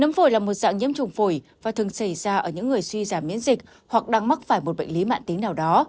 nấy là một dạng nhiễm trùng phổi và thường xảy ra ở những người suy giảm miễn dịch hoặc đang mắc phải một bệnh lý mạng tính nào đó